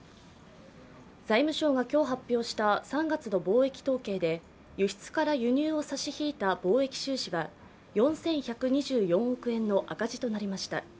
財務省が今日発表した３月の貿易統計で輸出から輸入を差し引いた貿易収支は４１２４億円の赤字となりました。